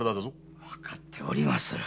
わかっております。